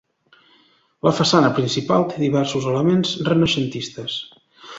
La façana principal té diversos elements renaixentistes.